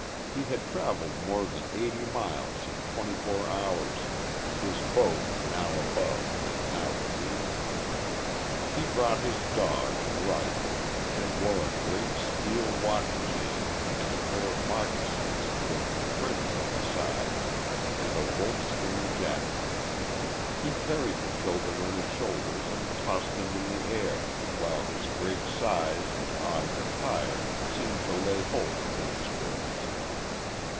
He had travelled more than eighty miles in twenty four hours, his boat now above and now beneath him. He brought his dog and rifle, and wore a great steel watch chain and a pair of moccasins w with fringe on the sides, and a wolf skin jacket. He carried the children on his shoulders and tossed them in the air, while his great size and odd attire seemed to lay hold of their spirits.